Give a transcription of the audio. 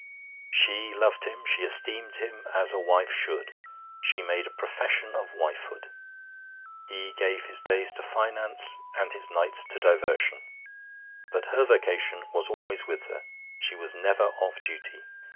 She loved him. She esteemed him as a wife should. She made a profession of wifehood. He gave his days to finance and his nights to diversion; but her vocation was always with her she was never off duty.